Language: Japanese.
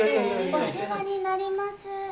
お世話になります。